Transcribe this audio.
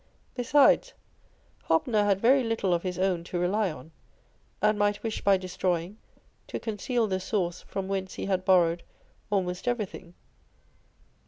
Besides, Hoj)pner had very little of his own to rely on, and might wish, by destroying, to conceal the source from whence he had borrowed almost everything.